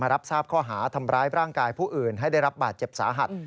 รับทราบข้อหาทำร้ายร่างกายผู้อื่นให้ได้รับบาดเจ็บสาหัส